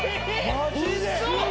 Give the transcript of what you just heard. マジで？